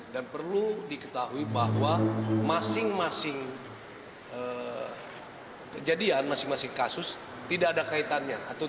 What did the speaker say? dan perlu diketahui bahwa masing masing kejadian masing masing kasus tidak ada kaitannya